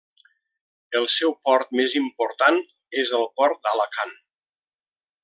El seu port més important és el port d'Alacant.